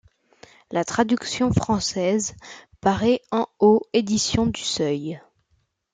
La traduction française paraît en aux éditions du Seuil.